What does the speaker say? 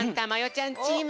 ちゃんチーム！